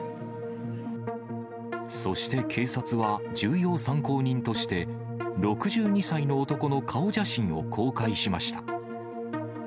そして警察は重要参考人として、６２歳の男の顔写真を公開しました。